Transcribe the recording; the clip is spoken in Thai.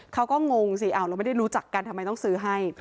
งงสิเราไม่ได้รู้จักกันทำไมต้องซื้อให้